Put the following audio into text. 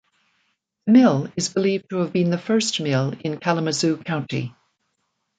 The mill is believed to have been the first mill in Kalamazoo County.